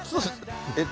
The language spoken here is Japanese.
えっと